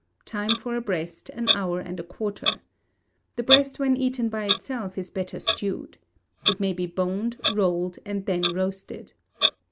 Time for a breast, an hour and a quarter. The breast when eaten by itself is better stewed. It may be boned, rolled, and then roasted.